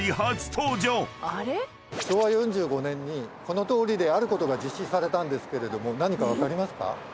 昭和４５年にこの通りであることが実施されたんですけれども何か分かりますか？